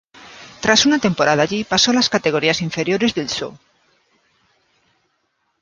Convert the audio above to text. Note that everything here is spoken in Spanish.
Tras una temporada allí pasó a las categorías inferiores del Sceaux.